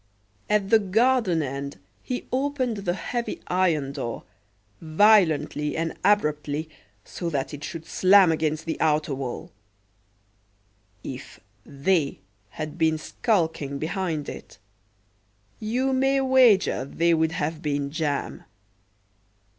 At the garden end he opened the heavy iron door, violently and abruptly so that it should slam against the outer wall. If "they" had been skulking behind it, you may wager they would have been jam.